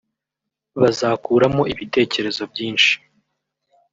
Bazakuramo ibitekerezo byinshi